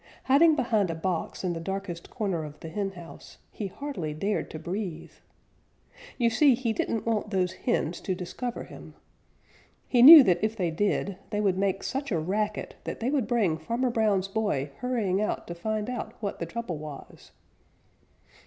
Hiding behind a box in the darkest corner of the henhouse, he hardly dared to breathe. You see, he didn't want those hens to discover him. He knew that if they did they would make such a racket that they would bring Farmer Brown's boy hurrying out to find out what the trouble was.